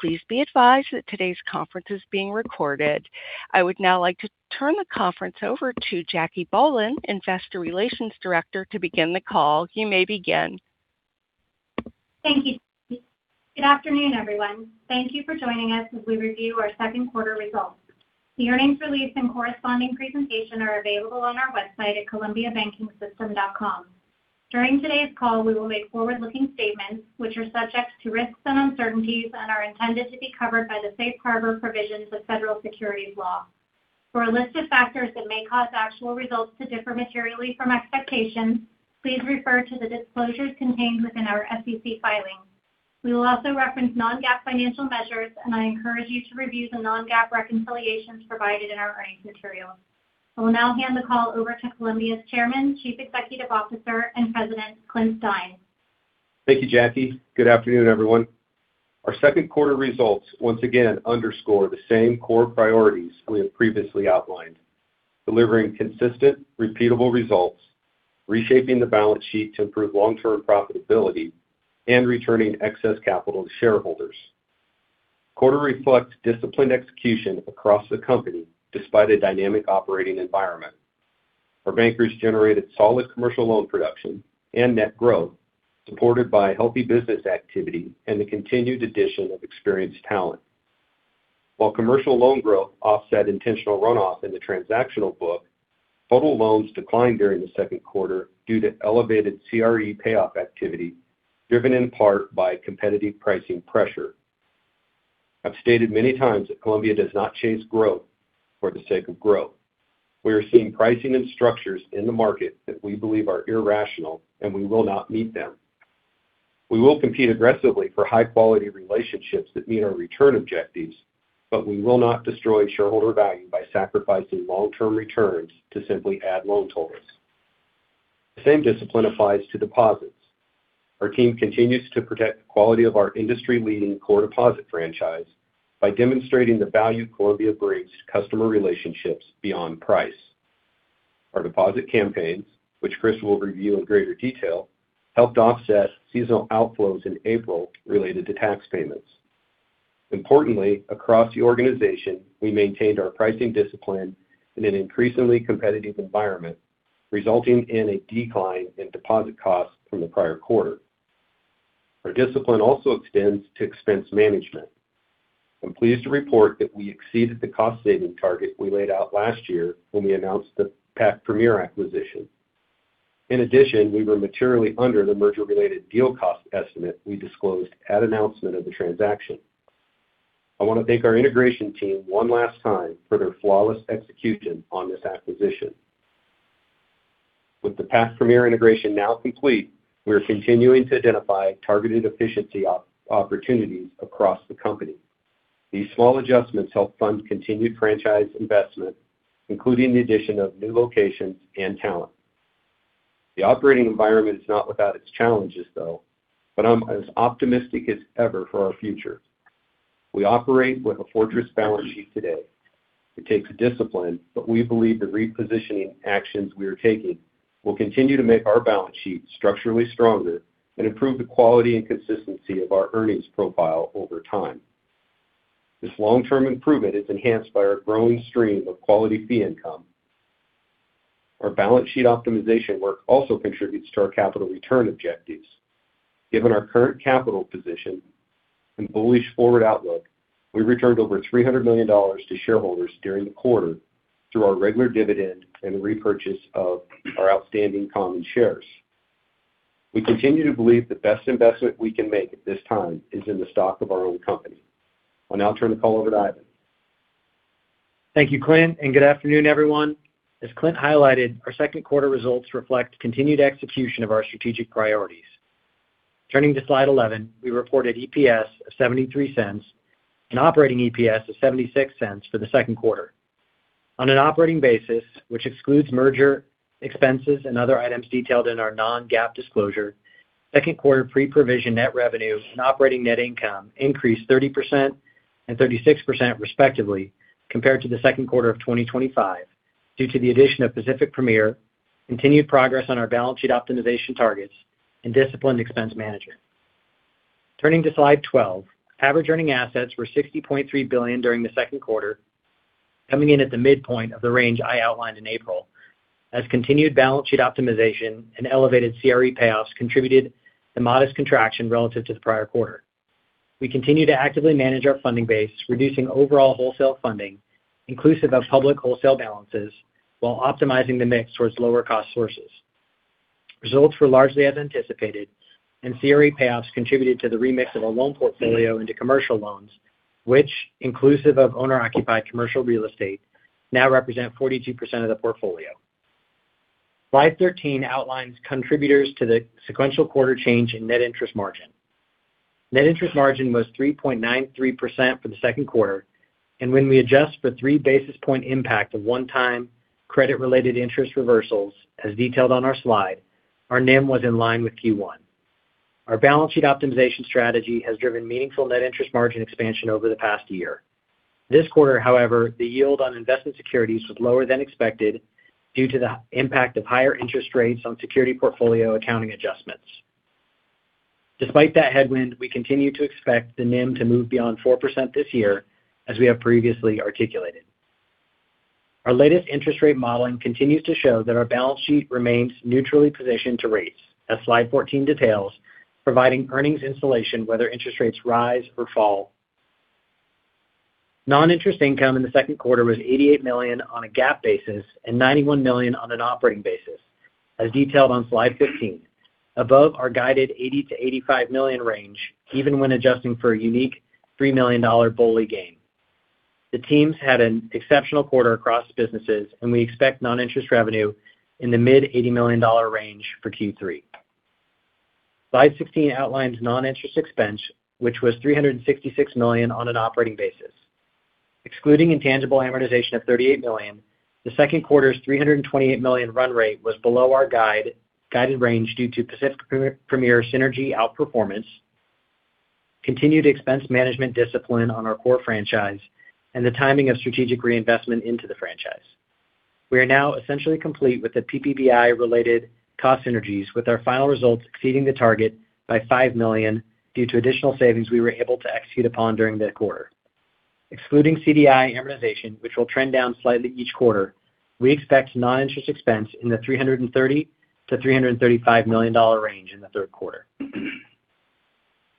Please be advised that today's conference is being recorded. I would now like to turn the conference over to Jackie Boland, Investor Relations Director, to begin the call. You may begin. Thank you. Good afternoon, everyone. Thank you for joining us as we review our second quarter results. The earnings release and corresponding presentation are available on our website at columbiabankingsystem.com. During today's call, we will make forward-looking statements, which are subject to risks and uncertainties and are intended to be covered by the Safe Harbor Provisions of Federal Securities Law. For a list of factors that may cause actual results to differ materially from expectations, please refer to the disclosures contained within our SEC filings. We will also reference non-GAAP financial measures, and I encourage you to review the non-GAAP reconciliations provided in our earnings materials. I will now hand the call over to Columbia's Chairman, Chief Executive Officer, and President, Clint Stein. Thank you, Jackie. Good afternoon, everyone. Our second quarter results once again underscore the same core priorities we have previously outlined, delivering consistent, repeatable results, reshaping the balance sheet to improve long-term profitability, returning excess capital to shareholders. Quarter reflects disciplined execution across the company despite a dynamic operating environment. Our bankers generated solid commercial loan production and net growth supported by healthy business activity and the continued addition of experienced talent. While commercial loan growth offset intentional runoff in the transactional book, total loans declined during the second quarter due to elevated CRE payoff activity, driven in part by competitive pricing pressure. I've stated many times that Columbia does not chase growth for the sake of growth. We are seeing pricing and structures in the market that we believe are irrational, we will not meet them. We will compete aggressively for high-quality relationships that meet our return objectives, we will not destroy shareholder value by sacrificing long-term returns to simply add loan totals. The same discipline applies to deposits. Our team continues to protect the quality of our industry-leading core deposit franchise by demonstrating the value Columbia brings to customer relationships beyond price. Our deposit campaigns, which Chris will review in greater detail, helped offset seasonal outflows in April related to tax payments. Importantly, across the organization, we maintained our pricing discipline in an increasingly competitive environment, resulting in a decline in deposit costs from the prior quarter. Our discipline also extends to expense management. I'm pleased to report that we exceeded the cost-saving target we laid out last year when we announced the Pac Premier acquisition. In addition, we were materially under the merger-related deal cost estimate we disclosed at announcement of the transaction. I want to thank our integration team one last time for their flawless execution on this acquisition. With the Pac Premier integration now complete, we are continuing to identify targeted efficiency opportunities across the company. These small adjustments help fund continued franchise investment, including the addition of new locations and talent. The operating environment is not without its challenges, though, but I'm as optimistic as ever for our future. We operate with a fortress balance sheet today. It takes discipline, but we believe the repositioning actions we are taking will continue to make our balance sheet structurally stronger and improve the quality and consistency of our earnings profile over time. This long-term improvement is enhanced by our growing stream of quality fee income. Our balance sheet optimization work also contributes to our capital return objectives. Given our current capital position and bullish forward outlook, we returned over $300 million to shareholders during the quarter through our regular dividend and repurchase of our outstanding common shares. We continue to believe the best investment we can make at this time is in the stock of our own company. I'll now turn the call over to Ivan. Thank you, Clint, good afternoon, everyone. As Clint highlighted, our second quarter results reflect continued execution of our strategic priorities. Turning to slide 11, we reported EPS of $0.73 and operating EPS of $0.76 for the second quarter. On an operating basis, which excludes merger expenses and other items detailed in our non-GAAP disclosure, second quarter pre-provision net revenue and operating net income increased 30% and 36% respectively compared to the second quarter of 2025 due to the addition of Pacific Premier, continued progress on our balance sheet optimization targets, and disciplined expense management. Turning to slide 12, average earning assets were $60.3 billion during the second quarter, coming in at the midpoint of the range I outlined in April, as continued balance sheet optimization and elevated CRE payoffs contributed to modest contraction relative to the prior quarter. We continue to actively manage our funding base, reducing overall wholesale funding inclusive of public wholesale balances while optimizing the mix towards lower cost sources. Results were largely as anticipated, CRE payoffs contributed to the remix of our loan portfolio into commercial loans, which inclusive of owner-occupied commercial real estate, now represent 42% of the portfolio. Slide 13 outlines contributors to the sequential quarter change in net interest margin. Net interest margin was 3.93% for the second quarter, when we adjust for three basis point impact of one-time credit-related interest reversals, as detailed on our slide, our NIM was in line with Q1. Our balance sheet optimization strategy has driven meaningful net interest margin expansion over the past year. This quarter, however, the yield on investment securities was lower than expected due to the impact of higher interest rates on security portfolio accounting adjustments. Despite that headwind, we continue to expect the NIM to move beyond 4% this year, as we have previously articulated. Our latest interest rate modeling continues to show that our balance sheet remains neutrally positioned to rates, as slide 14 details, providing earnings insulation whether interest rates rise or fall. Non-interest income in the second quarter was $88 million on a GAAP basis and $91 million on an operating basis, as detailed on slide 15. Above our guided $80 million-$85 million range, even when adjusting for a unique $3 million BOLI gain. The teams had an exceptional quarter across businesses, and we expect non-interest revenue in the mid-$80 million range for Q3. Slide 16 outlines non-interest expense, which was $366 million on an operating basis. Excluding intangible amortization of $38 million, the second quarter's $328 million run rate was below our guided range due to Pacific Premier synergy outperformance, continued expense management discipline on our core franchise, and the timing of strategic reinvestment into the franchise. We are now essentially complete with the PPBI related cost synergies, with our final results exceeding the target by $5 million due to additional savings we were able to execute upon during the quarter. Excluding CDI amortization, which will trend down slightly each quarter, we expect non-interest expense in the $330 million-$335 million range in the third quarter.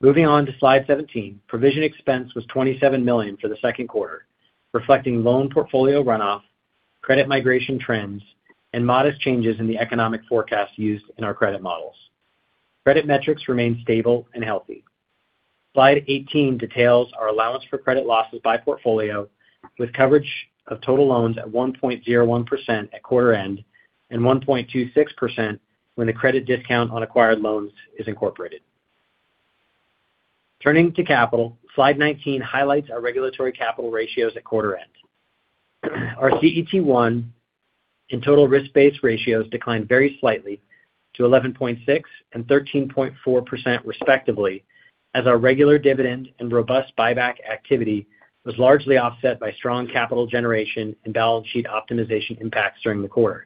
Moving on to slide 17, provision expense was $27 million for the second quarter, reflecting loan portfolio runoff, credit migration trends, and modest changes in the economic forecast used in our credit models. Credit metrics remain stable and healthy. Slide 18 details our allowance for credit losses by portfolio, with coverage of total loans at 1.01% at quarter end and 1.26% when the credit discount on acquired loans is incorporated. Turning to capital, slide 19 highlights our regulatory capital ratios at quarter end. Our CET1 and total risk-based ratios declined very slightly to 11.6% and 13.4%, respectively, as our regular dividend and robust buyback activity was largely offset by strong capital generation and balance sheet optimization impacts during the quarter.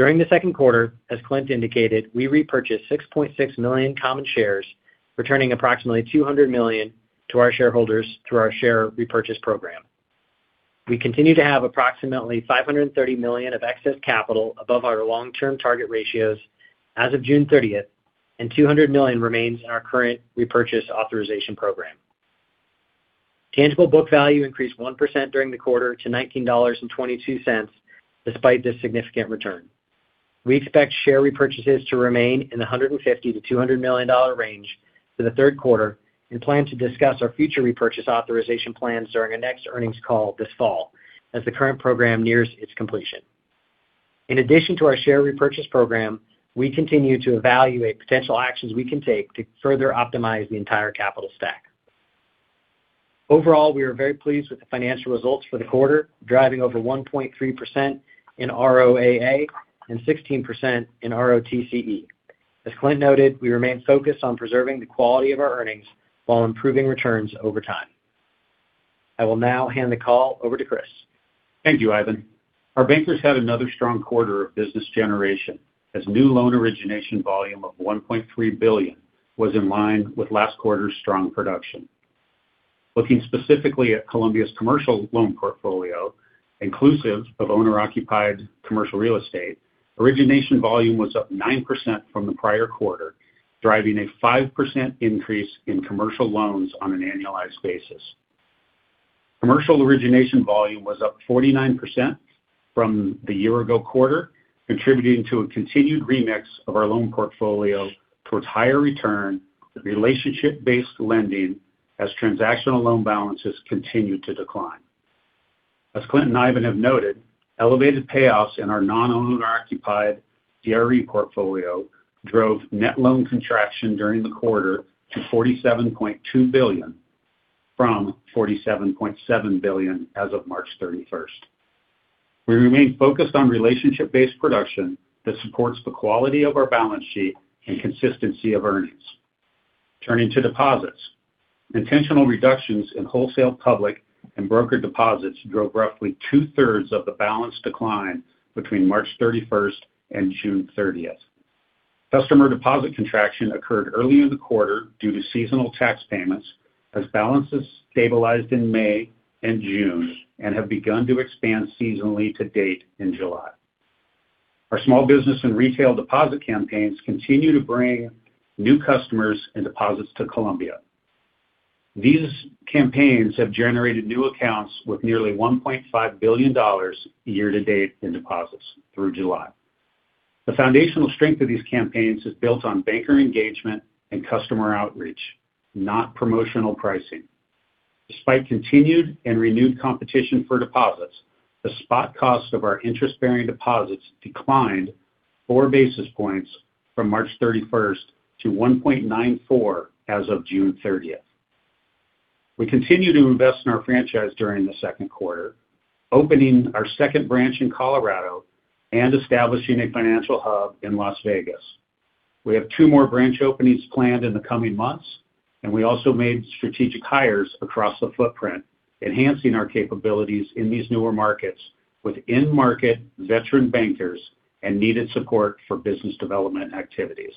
During the second quarter, as Clint indicated, we repurchased 6.6 million common shares, returning approximately $200 million to our shareholders through our share repurchase program. We continue to have approximately $530 million of excess capital above our long-term target ratios as of June 30th, and $200 million remains in our current repurchase authorization program. Tangible book value increased 1% during the quarter to $19.22, despite this significant return. We expect share repurchases to remain in the $150 million-$200 million range for the third quarter and plan to discuss our future repurchase authorization plans during our next earnings call this fall as the current program nears its completion. In addition to our share repurchase program, we continue to evaluate potential actions we can take to further optimize the entire capital stack. Overall, we are very pleased with the financial results for the quarter, driving over 1.3% in ROAA and 16% in ROTCE. As Clint noted, we remain focused on preserving the quality of our earnings while improving returns over time. I will now hand the call over to Chris. Thank you, Ivan. Our bankers had another strong quarter of business generation as new loan origination volume of $1.3 billion was in line with last quarter's strong production. Looking specifically at Columbia's commercial loan portfolio, inclusive of owner-occupied commercial real estate, origination volume was up 9% from the prior quarter, driving a 5% increase in commercial loans on an annualized basis. Commercial origination volume was up 49% from the year ago quarter, contributing to a continued remix of our loan portfolio towards higher return, relationship-based lending, as transactional loan balances continued to decline. As Clint and Ivan have noted, elevated payoffs in our non-owner occupied CRE portfolio drove net loan contraction during the quarter to $47.2 billion from $47.7 billion as of March 31st. We remain focused on relationship-based production that supports the quality of our balance sheet and consistency of earnings. Turning to deposits. Intentional reductions in wholesale public and broker deposits drove roughly 2/3 of the balance decline between March 31st and June 30th. Customer deposit contraction occurred early in the quarter due to seasonal tax payments, as balances stabilized in May and June and have begun to expand seasonally to date in July. Our small business and retail deposit campaigns continue to bring new customers and deposits to Columbia. These campaigns have generated new accounts with nearly $1.5 billion year-to-date in deposits through July. The foundational strength of these campaigns is built on banker engagement and customer outreach, not promotional pricing. Despite continued and renewed competition for deposits, the spot cost of our interest-bearing deposits declined four basis points from March 31st to 1.94 as of June 30th. We continue to invest in our franchise during the second quarter, opening our second branch in Colorado and establishing a financial hub in Las Vegas. We have two more branch openings planned in the coming months. We also made strategic hires across the footprint, enhancing our capabilities in these newer markets with in-market veteran bankers and needed support for business development activities.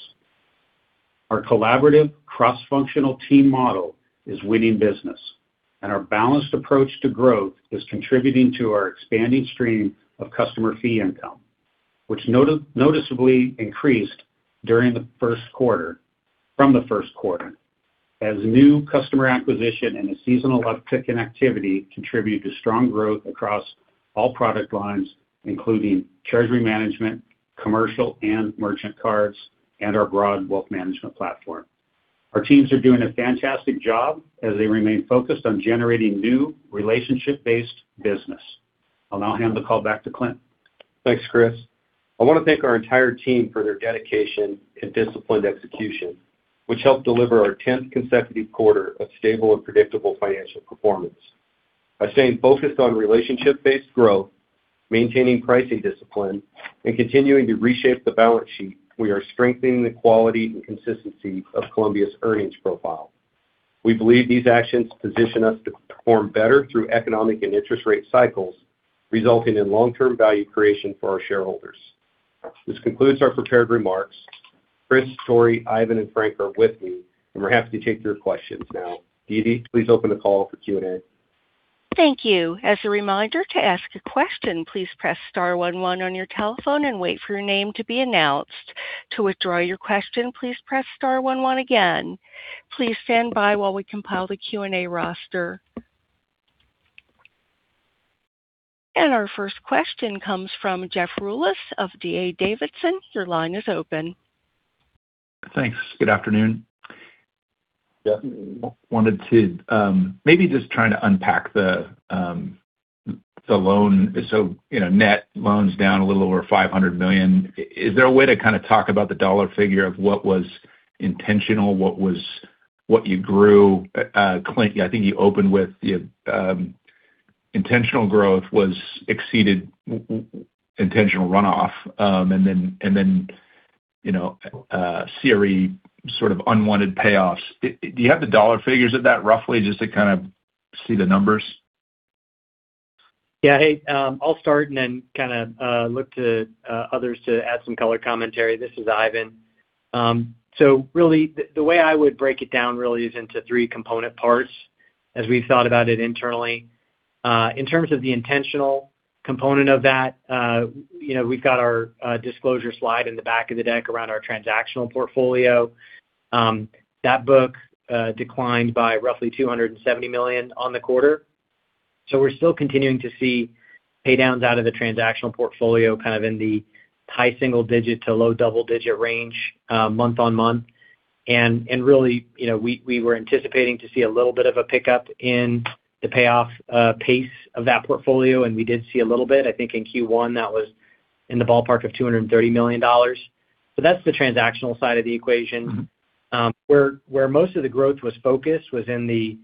Our collaborative cross-functional team model is winning business. Our balanced approach to growth is contributing to our expanding stream of customer fee income, which noticeably increased from the first quarter as new customer acquisition and a seasonal uptick in activity contribute to strong growth across all product lines, including treasury management, commercial and merchant cards, and our broad wealth management platform. Our teams are doing a fantastic job as they remain focused on generating new relationship-based business. I'll now hand the call back to Clint. Thanks, Chris. I want to thank our entire team for their dedication and disciplined execution, which helped deliver our 10th consecutive quarter of stable and predictable financial performance. By staying focused on relationship-based growth, maintaining pricing discipline, and continuing to reshape the balance sheet, we are strengthening the quality and consistency of Columbia's earnings profile. We believe these actions position us to perform better through economic and interest rate cycles, resulting in long-term value creation for our shareholders. This concludes our prepared remarks. Chris, Tory, Ivan, and Frank are with me. We're happy to take your questions now. Didi, please open the call for Q&A. Thank you. As a reminder, to ask a question, please press star one one on your telephone and wait for your name to be announced. To withdraw your question, please press star one one again. Please stand by while we compile the Q&A roster. Our first question comes from Jeff Rulis of D.A. Davidson. Your line is open. Thanks. Good afternoon. Jeff. I wanted to maybe just trying to unpack the loan. Net loans down a little over $500 million. Is there a way to kind of talk about the dollar figure of what was intentional, what you grew? Clint, I think you opened with the intentional growth was exceeded intentional runoff. Then CRE sort of unwanted payoffs. Do you have the dollar figures of that roughly just to kind of see the numbers? Hey, I'll start then kind of look to others to add some color commentary. This is Ivan. Really the way I would break it down really is into three component parts as we've thought about it internally. In terms of the intentional component of that, we've got our disclosure slide in the back of the deck around our transactional portfolio. That book declined by roughly $270 million on the quarter. We're still continuing to see pay downs out of the transactional portfolio kind of in the high-single-digit to low-double-digit range month on month. Really, we were anticipating to see a little bit of a pickup in the payoff pace of that portfolio, and we did see a little bit. I think in Q1 that was in the ballpark of $230 million. That's the transactional side of the equation. Where most of the growth was focused was in the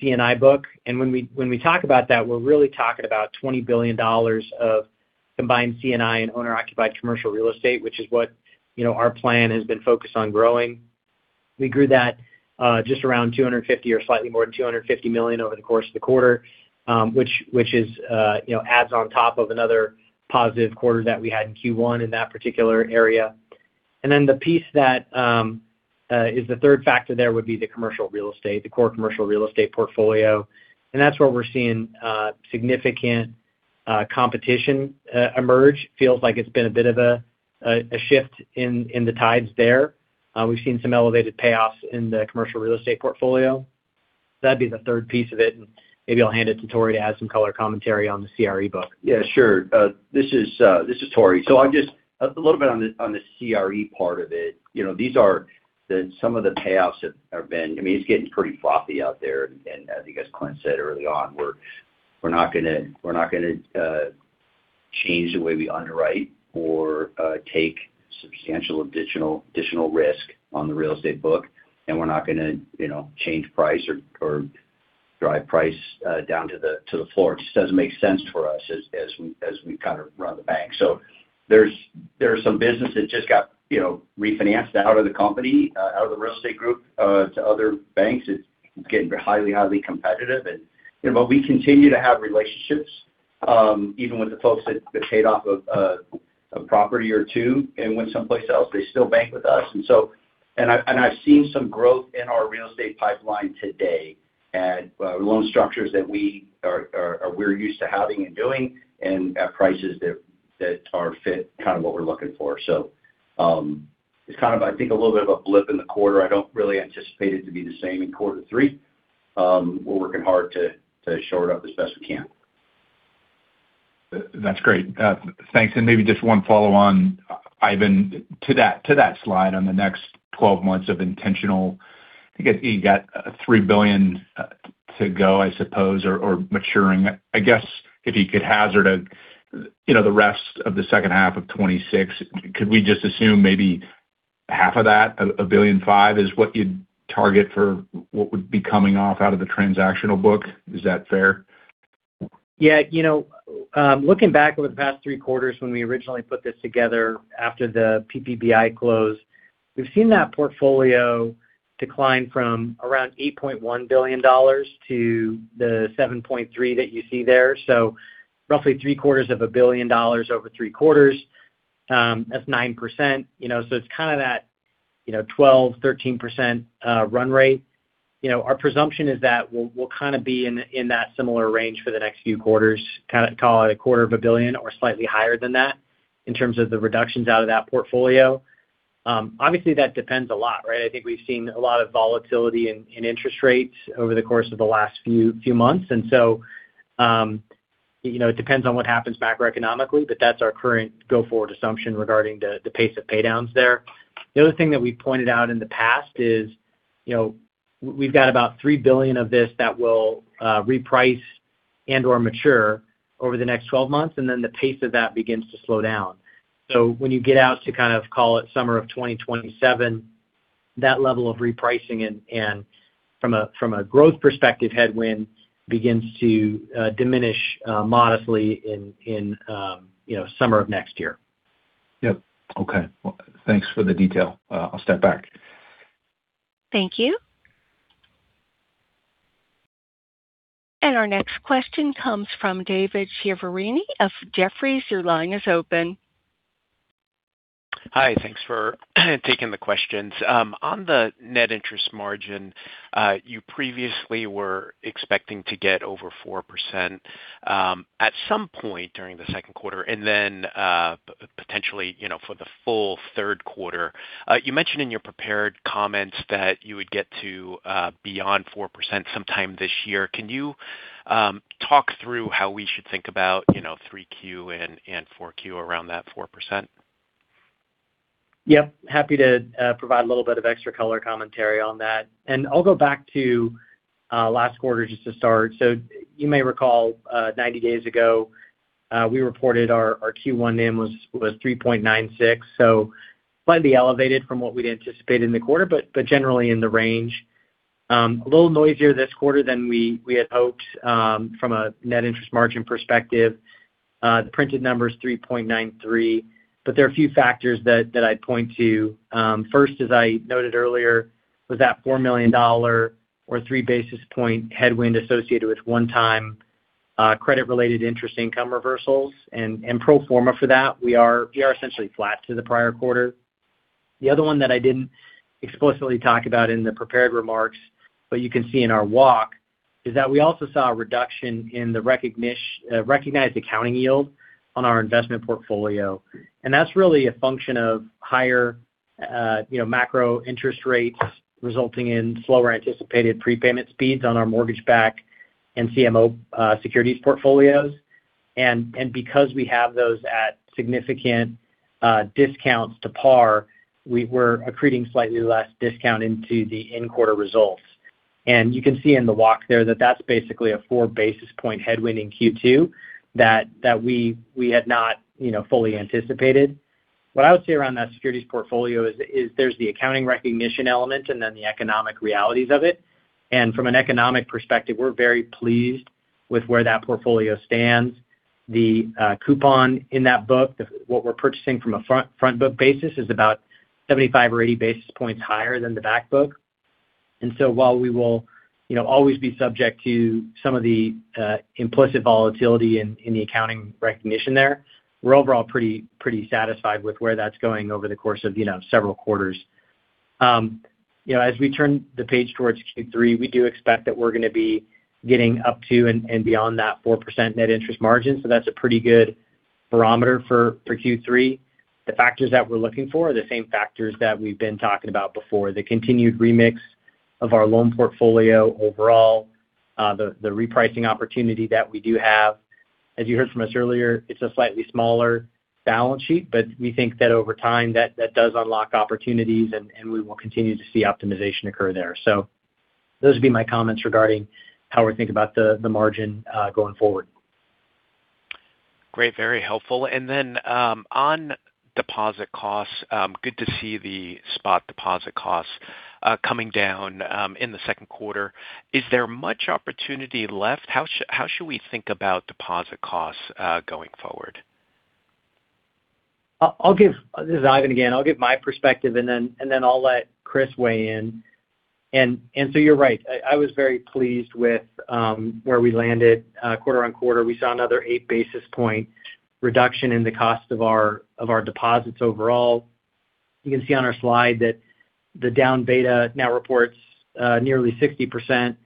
C&I book. When we talk about that, we're really talking about $20 billion of combined C&I and owner-occupied commercial real estate, which is what our plan has been focused on growing. We grew that just around $250 million or slightly more than $250 million over the course of the quarter which adds on top of another positive quarter that we had in Q1 in that particular area. The piece that is the third factor there would be the commercial real estate, the core commercial real estate portfolio. That's where we're seeing significant competition emerge. Feels like it's been a bit of a shift in the tides there. We've seen some elevated payoffs in the commercial real estate portfolio. That'd be the third piece of it, maybe I'll hand it to Tory to add some color commentary on the CRE book. Yeah, sure. This is Tory. Just a little bit on the CRE part of it. These are some of the payoffs. It's getting pretty choppy out there. As I guess Clint said early on, we're not going to change the way we underwrite or take substantial additional risk on the real estate book, we're not going to change price or drive price down to the floor. It just doesn't make sense for us as we kind of run the bank. There's some business that just got refinanced out of the company, out of the real estate group to other banks. It's getting highly competitive. While we continue to have relationships even with the folks that paid off a property or two and went someplace else, they still bank with us. I've seen some growth in our real estate pipeline today at loan structures that we're used to having and doing and at prices that are fit, kind of what we're looking for. It's kind of, I think, a little bit of a blip in the quarter. I don't really anticipate it to be the same in quarter three. We're working hard to shore it up as best we can. That's great. Thanks. Maybe just one follow on, Ivan, to that slide on the next 12 months of intentional. I think you got $3 billion to go, I suppose, or maturing. I guess if you could hazard the rest of the second half of 2026, could we just assume maybe half of that, $1.5 billion, is what you'd target for what would be coming off out of the transactional book? Is that fair? Yeah. Looking back over the past three quarters when we originally put this together after the PPBI close, we've seen that portfolio decline from around $8.1 billion to the $7.3 billion that you see there. Roughly $750 million over three quarters. That's 9%. It's kind of that 12%-13% run rate. Our presumption is that we'll kind of be in that similar range for the next few quarters, kind of call it a $250 million or slightly higher than that in terms of the reductions out of that portfolio. Obviously, that depends a lot, right? I think we've seen a lot of volatility in interest rates over the course of the last few months. It depends on what happens macroeconomically, but that's our current go-forward assumption regarding the pace of pay-downs there. The other thing that we pointed out in the past is we've got about $3 billion of this that will reprice and/or mature over the next 12 months. The pace of that begins to slow down. When you get out to kind of call it summer of 2027, that level of repricing and from a growth perspective headwind begins to diminish modestly in summer of next year. Yep. Okay. Well, thanks for the detail. I'll step back. Thank you. Our next question comes from David Chiaverini of Jefferies. Your line is open. Hi. Thanks for taking the questions. On the net interest margin, you previously were expecting to get over 4% at some point during the second quarter, and then potentially for the full third quarter. You mentioned in your prepared comments that you would get to beyond 4% sometime this year. Can you talk through how we should think about 3Q and 4Q around that 4%? Yep. Happy to provide a little bit of extra color commentary on that, and I'll go back to last quarter just to start. You may recall, 90 days ago, we reported our Q1 NIM was 3.96, so slightly elevated from what we'd anticipated in the quarter, but generally in the range. A little noisier this quarter than we had hoped from a net interest margin perspective. The printed number is 3.93, but there are a few factors that I'd point to. First, as I noted earlier, was that $4 million or three basis point headwind associated with one-time credit-related interest income reversals. Pro forma for that, we are essentially flat to the prior quarter. The other one that I didn't explicitly talk about in the prepared remarks, but you can see in our walk, is that we also saw a reduction in the recognized accounting yield on our investment portfolio. That's really a function of higher macro-interest rates resulting in slower anticipated prepayment speeds on our mortgage-backed and CMO securities portfolios. Because we have those at significant discounts to par, we were accreting slightly less discount into the in-quarter results. You can see in the walk there that that's basically a four basis point headwind in Q2 that we had not fully anticipated. What I would say around that securities portfolio is there's the accounting recognition element and then the economic realities of it. From an economic perspective, we're very pleased with where that portfolio stands. The coupon in that book, what we're purchasing from a front book basis is about 75 or 80 basis points higher than the back book. While we will always be subject to some of the implicit volatility in the accounting recognition there, we're overall pretty satisfied with where that's going over the course of several quarters. As we turn the page towards Q3, we do expect that we're going to be getting up to and beyond that 4% net interest margin, that's a pretty good barometer for Q3. The factors that we're looking for are the same factors that we've been talking about before. The continued remix of our loan portfolio overall, the repricing opportunity that we do have. As you heard from us earlier, it's a slightly smaller balance sheet, we think that over time, that does unlock opportunities, we will continue to see optimization occur there. Those would be my comments regarding how we think about the margin going forward. Great. Very helpful. On deposit costs good to see the spot deposit costs coming down in the second quarter. Is there much opportunity left? How should we think about deposit costs going forward? This is Ivan again. I'll give my perspective, then I'll let Chris weigh in. You're right. I was very pleased with where we landed quarter-on-quarter. We saw another eight basis point reduction in the cost of our deposits overall. You can see on our slide that the down beta now reports nearly 60%,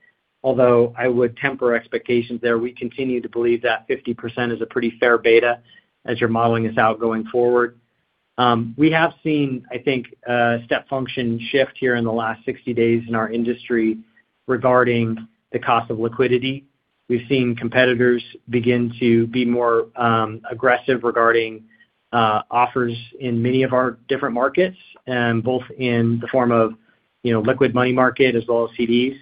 although I would temper expectations there. We continue to believe that 50% is a pretty fair beta as you're modeling this out going forward. We have seen, I think, a step function shift here in the last 60 days in our industry regarding the cost of liquidity. We've seen competitors begin to be more aggressive regarding offers in many of our different markets, both in the form of liquid money market as well as CDs.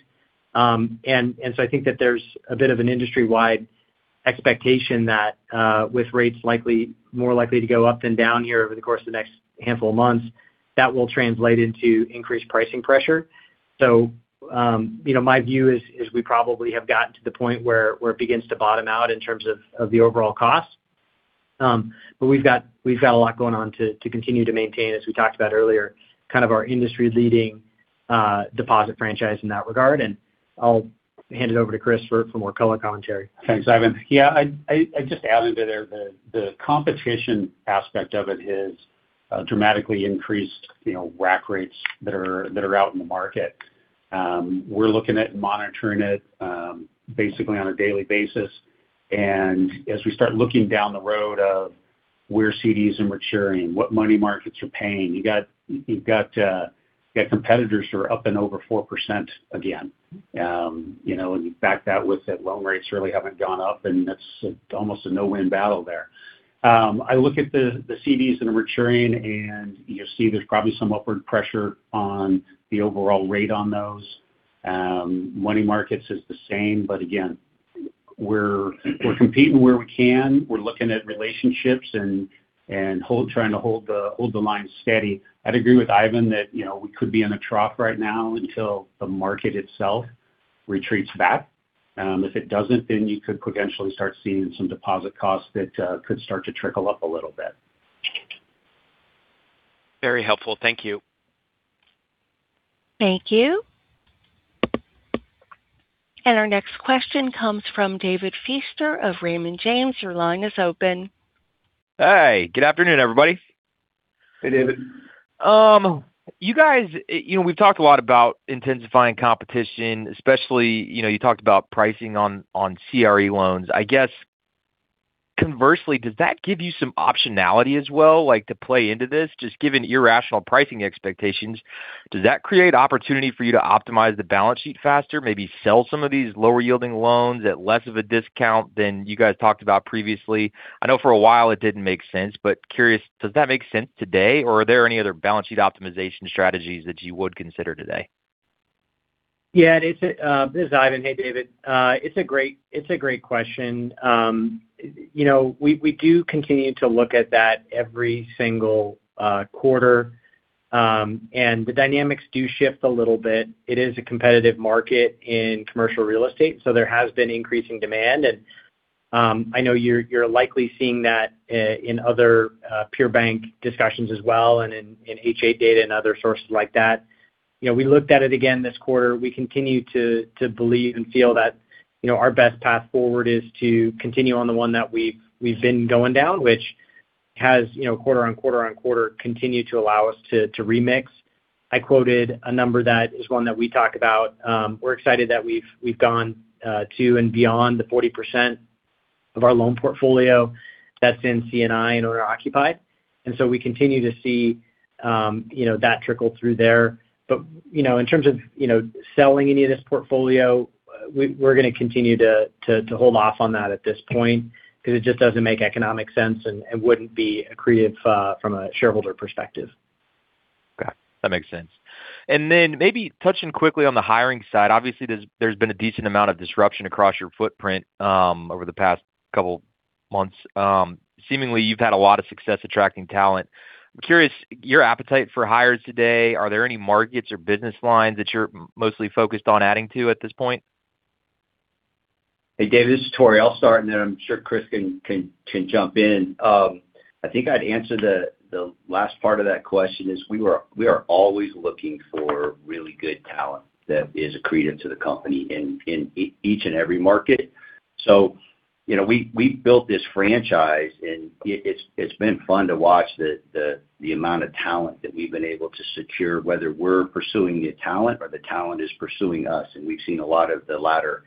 I think that there's a bit of an industry-wide expectation that with rates more likely to go up than down here over the course of the next handful of months, that will translate into increased pricing pressure. My view is we probably have gotten to the point where it begins to bottom out in terms of the overall cost. We've got a lot going on to continue to maintain, as we talked about earlier, kind of our industry-leading deposit franchise in that regard. I'll hand it over to Chris for more color commentary. Thanks, Ivan. I'd just add into there, the competition aspect of it has dramatically increased rack rates that are out in the market. We're looking at and monitoring it basically on a daily basis. As we start looking down the road of where CDs are maturing, what money markets are paying, you've got competitors who are up and over 4% again. You back that with that loan rates really haven't gone up, and that's almost a no-win battle there. I look at the CDs that are maturing, and you see there's probably some upward pressure on the overall rate on those. Money markets is the same. Again, we're competing where we can. We're looking at relationships and trying to hold the line steady. I'd agree with Ivan that we could be in a trough right now until the market itself retreats back. If it doesn't, you could potentially start seeing some deposit costs that could start to trickle up a little bit. Very helpful. Thank you. Thank you. Our next question comes from David Feaster of Raymond James. Your line is open. Hey, good afternoon, everybody. Hey, David. We've talked a lot about intensifying competition, especially you talked about pricing on CRE loans. I guess conversely, does that give you some optionality as well, like to play into this? Just given irrational pricing expectations, does that create opportunity for you to optimize the balance sheet faster, maybe sell some of these lower-yielding loans at less of a discount than you guys talked about previously? I know for a while it didn't make sense, but curious, does that make sense today? Or are there any other balance sheet optimization strategies that you would consider today? David. This is Ivan. Hey, David. It's a great question. We do continue to look at that every single quarter. The dynamics do shift a little bit. It is a competitive market in commercial real estate, there has been increasing demand, I know you're likely seeing that in other peer bank discussions as well and in H.8 data and other sources like that. We looked at it again this quarter. We continue to believe and feel that our best path forward is to continue on the one that we've been going down, which has quarter-on-quarter-on-quarter continued to allow us to remix. I quoted a number that is one that we talk about. We're excited that we've gone to and beyond the 40% of our loan portfolio that's in C&I and/or occupied. We continue to see that trickle through there. In terms of selling any of this portfolio, we're going to continue to hold off on that at this point because it just doesn't make economic sense, and wouldn't be accretive from a shareholder perspective. Got it. That makes sense. Maybe touching quickly on the hiring side. Obviously, there's been a decent amount of disruption across your footprint over the past couple months. Seemingly, you've had a lot of success attracting talent. I'm curious your appetite for hires today. Are there any markets or business lines that you're mostly focused on adding to at this point? Hey, David, this is Tory. I'll start, and then I'm sure Chris can jump in. I think I'd answer the last part of that question is we are always looking for really good talent that is accretive to the company in each and every market. We built this franchise, and it's been fun to watch the amount of talent that we've been able to secure, whether we're pursuing the talent or the talent is pursuing us, and we've seen a lot of the latter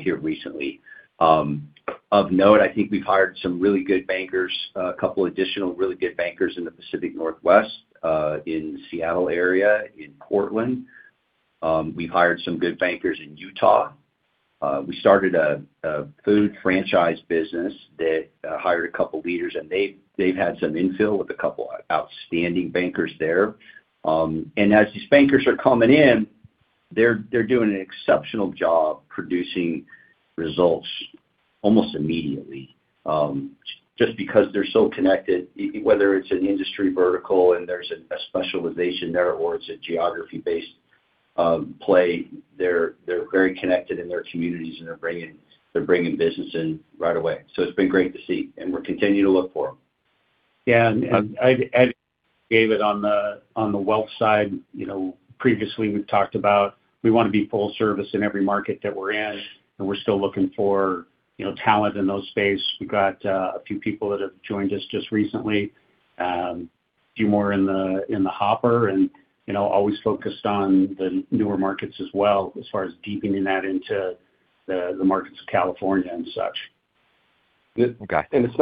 here recently. Of note, I think we've hired some really good bankers, a couple additional really good bankers in the Pacific Northwest, in Seattle area, in Portland. We've hired some good bankers in Utah. We started a food franchise business that hired a couple leaders, and they've had some infill with a couple outstanding bankers there. As these bankers are coming in, they're doing an exceptional job producing results almost immediately. Just because they're so connected, whether it's an industry vertical and there's a specialization there, or it's a geography-based play. They're very connected in their communities, and they're bringing business in right away. It's been great to see, and we're continuing to look for them. Yeah. I'd add, David, on the wealth side previously we've talked about we want to be full service in every market that we're in, and we're still looking for talent in those space. We've got a few people that have joined us just recently. A few more in the hopper and always focused on the newer markets as well, as far as deepening that into the markets of California and such. Got it. It's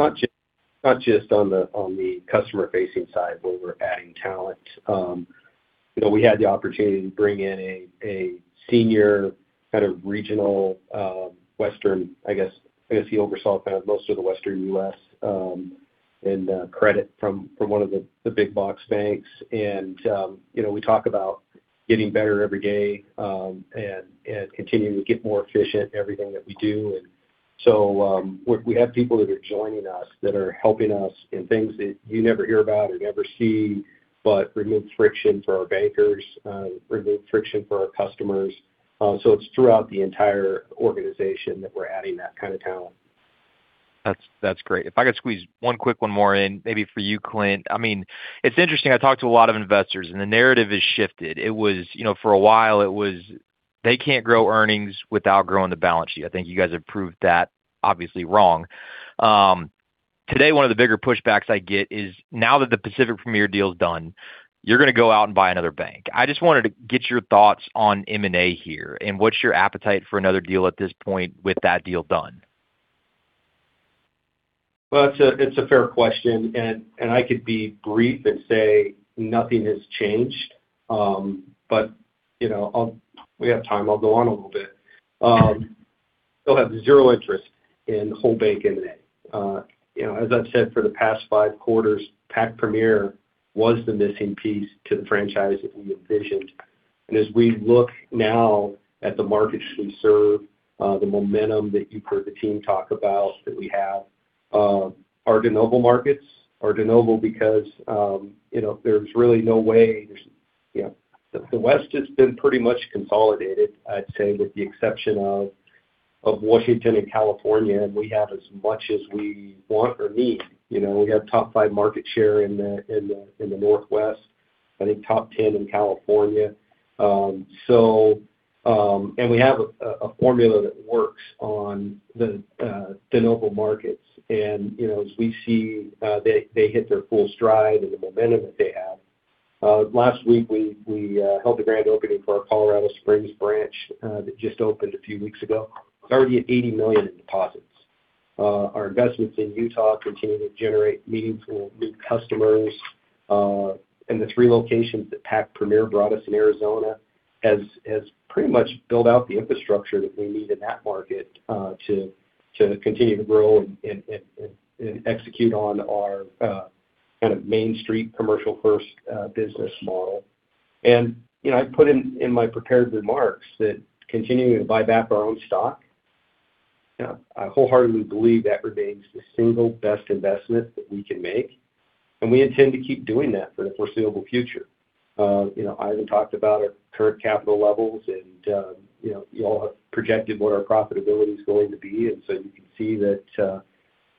not just on the customer-facing side where we're adding talent. We had the opportunity to bring in a senior kind of regional Western, I guess he oversaw kind of most of the Western U.S. in credit from one of the big box banks. We talk about getting better every day and continuing to get more efficient in everything that we do. We have people that are joining us that are helping us in things that you never hear about or never see, but remove friction for our bankers, remove friction for our customers it's throughout the entire organization that we're adding that kind of talent. That's great. If I could squeeze one quick one more in, maybe for you, Clint. It's interesting, I talk to a lot of investors. The narrative has shifted. For a while, it was, they can't grow earnings without growing the balance sheet. I think you guys have proved that obviously wrong. Today, one of the bigger pushbacks I get is now that the Pacific Premier deal is done, you're going to go out and buy another bank. I just wanted to get your thoughts on M&A here. What's your appetite for another deal at this point with that deal done? It's a fair question. I could be brief and say nothing has changed. We have time, I'll go on a little bit. Still have zero interest in whole bank M&A. As I've said for the past five quarters, Pac Premier was the missing piece to the franchise that we envisioned. As we look now at the markets we serve, the momentum that you've heard the team talk about that we have, are de novo markets, are de novo because there's really no way. The West has been pretty much consolidated, I'd say with the exception of Washington and California. We have as much as we want or need. We have top five market share in the Northwest, I think top 10 in California. We have a formula that works on the de novo markets. As we see they hit their full stride and the momentum that they have. Last week, we held the grand opening for our Colorado Springs branch that just opened a few weeks ago. It's already at $80 million in deposits. Our investments in Utah continue to generate meaningful new customers. The three locations that Pac Premier brought us in Arizona has pretty much built out the infrastructure that we need in that market to continue to grow and execute on our kind of main street commercial first business model. I put in my prepared remarks that continuing to buy back our own stock. I wholeheartedly believe that remains the single best investment that we can make. We intend to keep doing that for the foreseeable future. Ivan talked about our current capital levels. You all have projected what our profitability is going to be. You can see that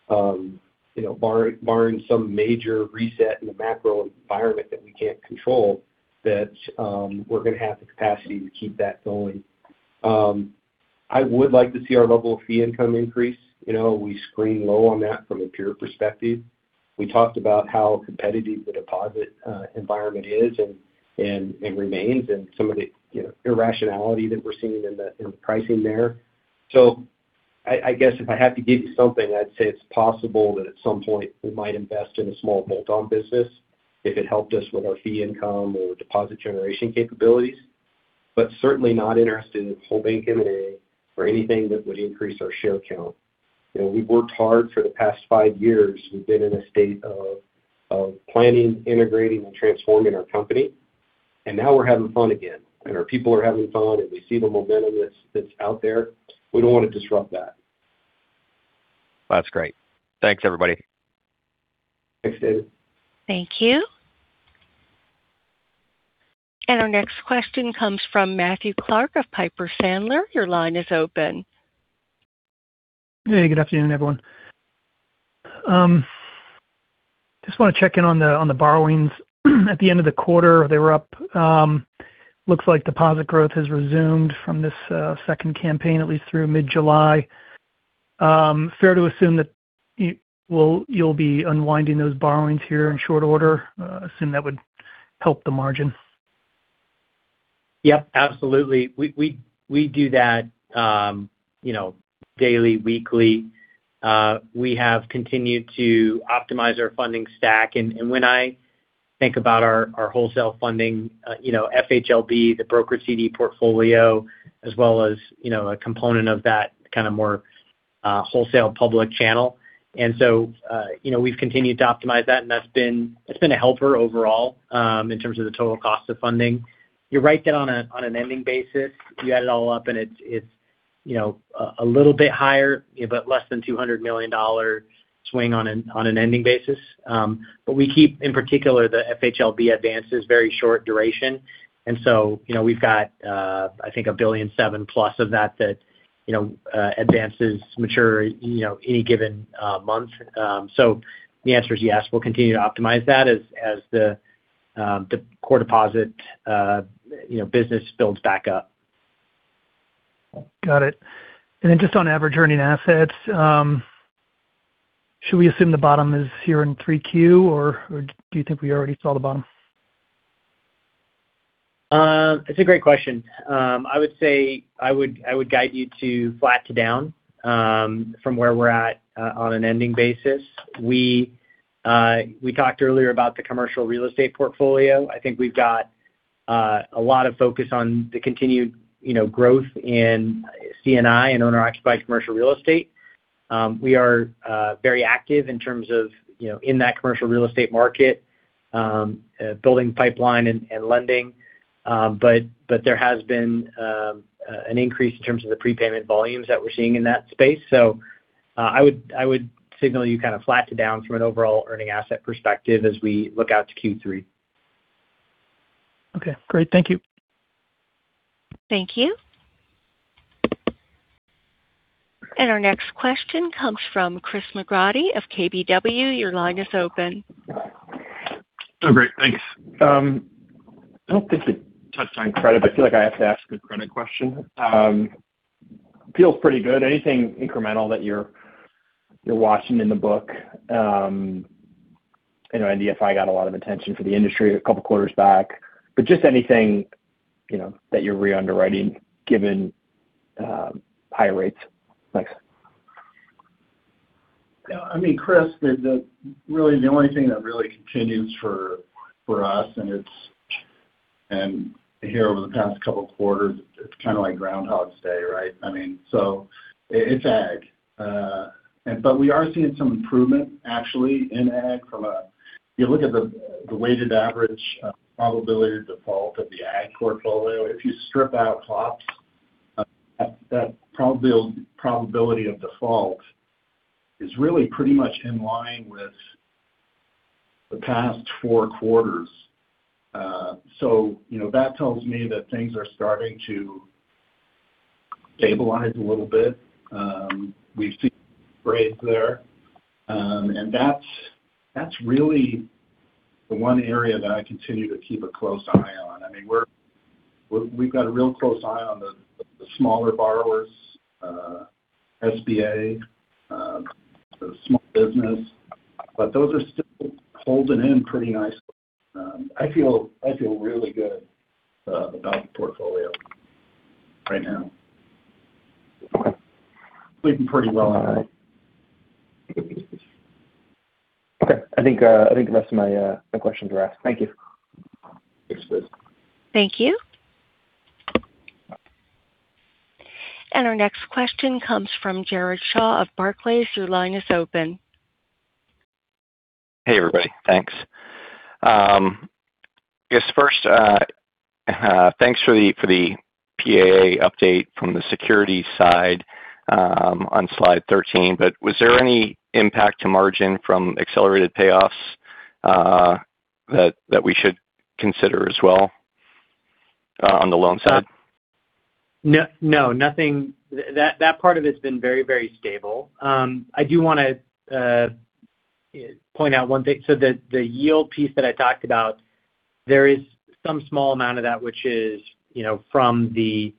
barring some major reset in the macro environment that we can't control, that we're going to have the capacity to keep that going. I would like to see our level of fee income increase. We screen low on that from a pure perspective. We talked about how competitive the deposit environment is and remains and some of the irrationality that we're seeing in the pricing there. I guess if I have to give you something, I'd say it's possible that at some point we might invest in a small bolt-on business if it helped us with our fee income or deposit generation capabilities. Certainly not interested in whole bank M&A or anything that would increase our share count. We've worked hard for the past five years. We've been in a state of planning, integrating, and transforming our company. Now we're having fun again. Our people are having fun. We see the momentum that's out there. We don't want to disrupt that. That's great. Thanks, everybody. Thanks, David. Thank you. Our next question comes from Matthew Clark of Piper Sandler. Your line is open. Hey, good afternoon, everyone. Just want to check in on the borrowings. At the end of the quarter, they were up. Looks like deposit growth has resumed from this second campaign, at least through mid-July. Fair to assume that you'll be unwinding those borrowings here in short order? Assume that would help the margin? Yep, absolutely. We do that daily, weekly. We have continued to optimize our funding stack. When I think about our wholesale funding, FHLB, the broker CD portfolio, as well as a component of that kind of more wholesale public channel. We've continued to optimize that, and that's been a helper overall in terms of the total cost of funding. You're right that on an ending basis, you add it all up and it's a little bit higher, but less than $200 million swing on an ending basis. We keep, in particular, the FHLB advances very short duration. We've got I think $1.7 billion+ of that advances mature any given month. The answer is yes, we'll continue to optimize that as the core deposit business builds back up. Got it. Just on average earning assets. Should we assume the bottom is here in 3Q, or do you think we already saw the bottom? It's a great question. I would say I would guide you to flat to down from where we're at on an ending basis. We talked earlier about the commercial real estate portfolio. I think we've got a lot of focus on the continued growth in C&I and owner-occupied commercial real estate. We are very active in terms of in that commercial real estate market building pipeline and lending. There has been an increase in terms of the prepayment volumes that we're seeing in that space. I would signal you kind of flat to down from an overall earning asset perspective as we look out to Q3. Okay, great. Thank you. Thank you. Our next question comes from Chris McGratty of KBW. Your line is open. Oh, great. Thanks. I don't think we touched on credit, but I feel like I have to ask a credit question. Feels pretty good. Anything incremental that you're watching in the book? I know MDFI got a lot of attention for the industry a couple of quarters back, but just anything that you're re-underwriting given higher rates. Thanks. Chris, really the only thing that really continues for us, here over the past couple of quarters, it's kind of like Groundhog's Day, right? It's ag. We are seeing some improvement actually in ag. You look at the weighted average probability of default of the ag portfolio. If you strip out crops, that probability of default is really pretty much in line with the past four quarters. That tells me that things are starting to stabilize a little bit. We see there. That's really the one area that I continue to keep a close eye on. We've got a real close eye on the smaller borrowers, SBA, small business, but those are still holding in pretty nicely. I feel really good about the portfolio right now. Sleeping pretty well at night. Okay. I think the rest of my questions are asked. Thank you. Thanks, Chris. Thank you. Our next question comes from Jared Shaw of Barclays. Your line is open. Hey, everybody. Thanks. I guess first, thanks for the PAA update from the security side on slide 13, was there any impact to margin from accelerated payoffs that we should consider as well on the loan side? No, nothing. That part of it's been very stable. I do want to point out one thing. The yield piece that I talked about, there is some small amount of that which is from the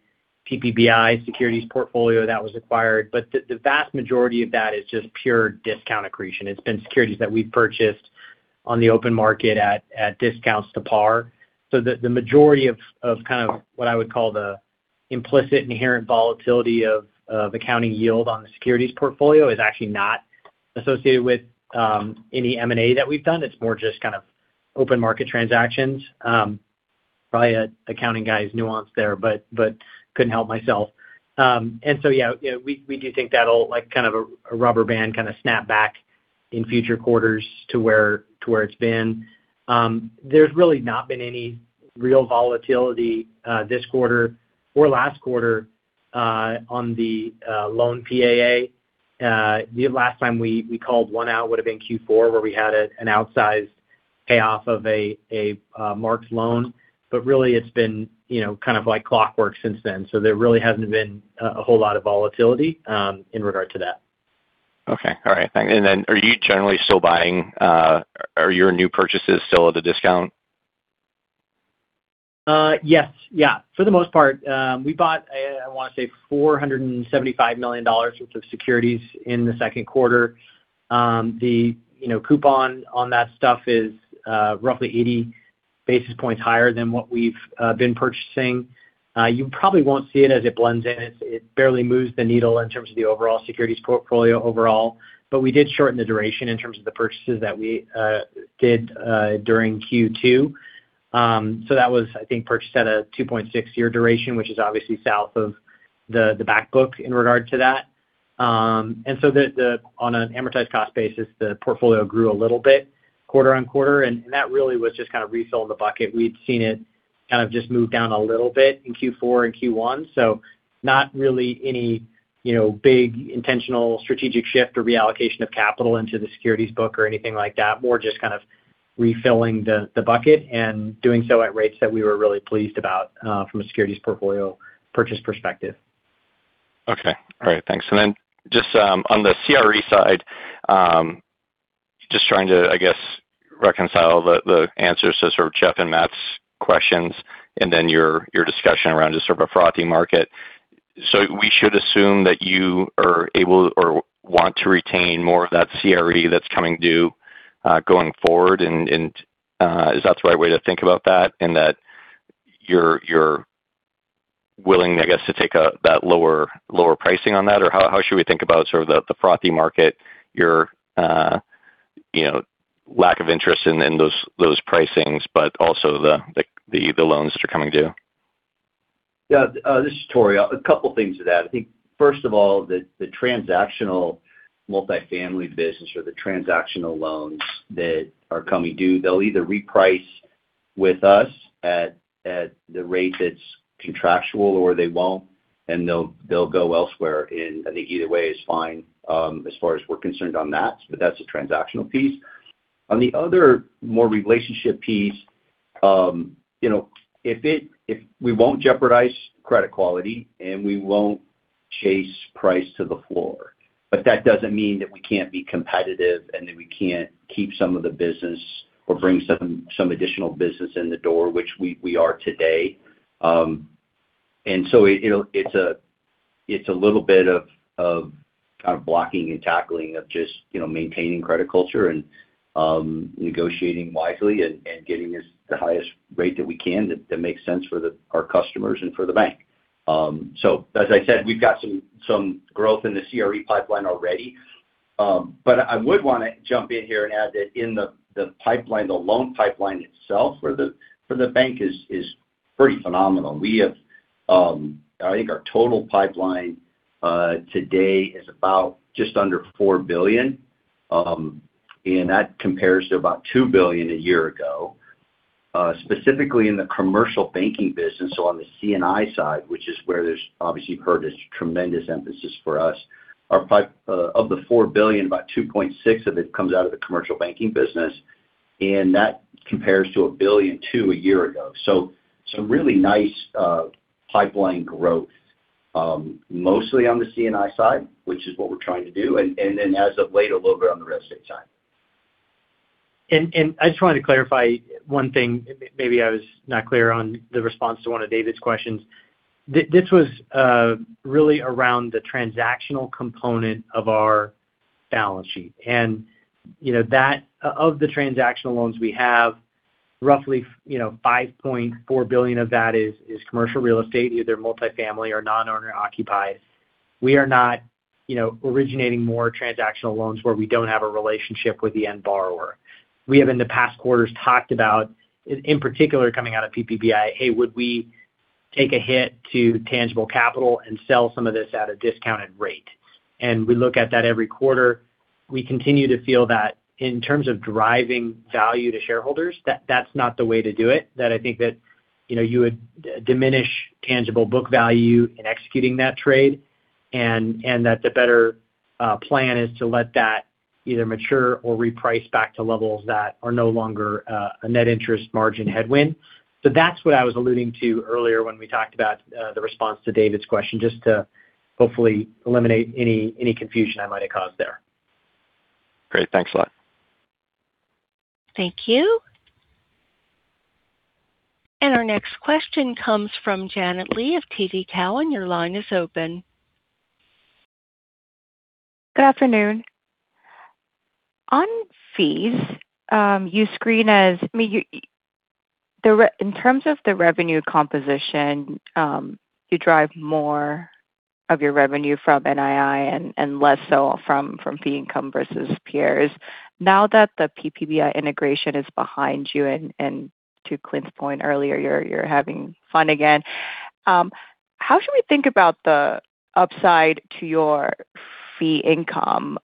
PPBI securities portfolio that was acquired. The vast majority of that is just pure discount accretion. It's been securities that we've purchased on the open market at discounts to par. The majority of what I would call the implicit inherent volatility of accounting yield on the securities portfolio is actually not associated with any M&A that we've done. It's more just kind of open market transactions. Probably an accounting guy's nuance there, but couldn't help myself. Yeah, we do think that'll like a rubber band kind of snap back in future quarters to where it's been. There's really not been any real volatility this quarter or last quarter on the loan PAA. The last time we called one out would've been Q4 where we had an outsized payoff of a marked loan. Really it's been kind of like clockwork since then. There really hasn't been a whole lot of volatility in regard to that. Okay. All right. Thanks. Are you generally still buying? Are your new purchases still at a discount? Yes. For the most part. We bought, I want to say, $475 million worth of securities in the second quarter. The coupon on that stuff is roughly 80 basis points higher than what we've been purchasing. You probably won't see it as it blends in. It barely moves the needle in terms of the overall securities portfolio overall. We did shorten the duration in terms of the purchases that we did during Q2. That was, I think, purchased at a 2.6-year duration, which is obviously south of the back book in regard to that. On an amortized cost basis, the portfolio grew a little bit quarter-on-quarter, and that really was just kind of refilling the bucket. We'd seen it kind of just move down a little bit in Q4 and Q1. Not really any big intentional strategic shift or reallocation of capital into the securities book or anything like that. More just kind of refilling the bucket and doing so at rates that we were really pleased about from a securities portfolio purchase perspective. Okay. All right. Thanks. Just on the CRE side, just trying to, I guess, reconcile the answers to sort of Jeff and Matt's questions and then your discussion around just sort of a frothy market. We should assume that you are able or want to retain more of that CRE that's coming due going forward, and is that the right way to think about that, in that you're willing, I guess, to take that lower pricing on that? How should we think about sort of the frothy market, your lack of interest in those pricings, but also the loans that are coming due? Yeah. This is Tory. A couple things to that. I think first of all, the transactional multifamily business or the transactional loans that are coming due, they'll either reprice with us at the rate that's contractual or they won't, they'll go elsewhere. I think either way is fine as far as we're concerned on that, but that's a transactional piece. On the other more relationship piece, we won't jeopardize credit quality, and we won't chase price to the floor. That doesn't mean that we can't be competitive and that we can't keep some of the business or bring some additional business in the door, which we are today. It's a little bit of blocking and tackling, of just maintaining credit culture and negotiating wisely and getting the highest rate that we can that makes sense for our customers and for the bank. As I said, we've got some growth in the CRE pipeline already. I would want to jump in here and add that in the pipeline, the loan pipeline itself for the bank is pretty phenomenal. I think our total pipeline today is about just under $4 billion, and that compares to about $2 billion a year ago. Specifically in the commercial banking business on the C&I side, which is where there's, obviously, you've heard there's tremendous emphasis for us. Of the $4 billion, about $2.6 of it comes out of the commercial banking business, and that compares to $1.2 billion a year ago. Some really nice pipeline growth mostly on the C&I side, which is what we're trying to do and then as of late, a little bit on the real estate side. I just wanted to clarify one thing. Maybe I was not clear on the response to one of David's questions. This was really around the transactional component of our balance sheet. Of the transactional loans we have, roughly $5.4 billion of that is commercial real estate, either multifamily or non-owner occupied. We are not originating more transactional loans where we don't have a relationship with the end borrower. We have in the past quarters talked about, in particular coming out of PPBI, "Hey, would we take a hit to tangible capital and sell some of this at a discounted rate?" We look at that every quarter. We continue to feel that in terms of driving value to shareholders, that's not the way to do it, that I think that you would diminish tangible book value in executing that trade, and that the better plan is to let that either mature or reprice back to levels that are no longer a net interest margin headwind. That's what I was alluding to earlier when we talked about the response to David's question, just to hopefully eliminate any confusion I might have caused there. Great. Thanks a lot. Thank you. Our next question comes from Janet Lee of TD Cowen. Your line is open. Good afternoon. On fees, in terms of the revenue composition, you drive more of your revenue from NII and less so from fee income versus peers. Now that the PPBI integration is behind you, and to Clint's point earlier, you're having fun again. How should we think about the upside to your fee income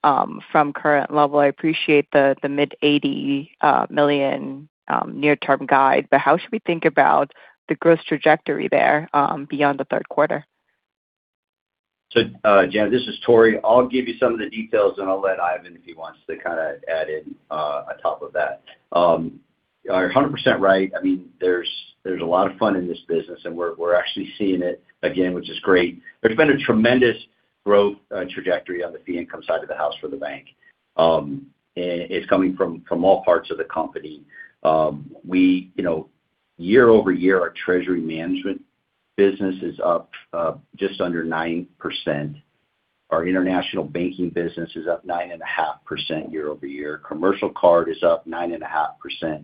from current level? I appreciate the mid-$80 million near-term guide, how should we think about the growth trajectory there beyond the third quarter? Janet, this is Tory. I'll give you some of the details, and I'll let Ivan, if he wants to kind of add in on top of that. You are 100% right. There's a lot of fun in this business, and we're actually seeing it again, which is great. There's been a tremendous growth trajectory on the fee income side of the house for the bank. It's coming from all parts of the company. Year-over-year, our treasury management business is up just under 9%. Our international banking business is up 9.5% year-over-year. Commercial card is up 9.5%